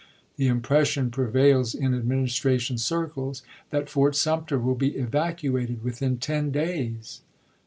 " The impression prevails in Administration circles that Fort Sumter will be evacuated within ten days."